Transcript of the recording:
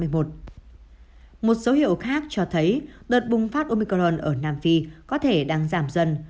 một số hiệu khác cho thấy đợt bùng phát omicron ở nam phi có thể đang giảm dần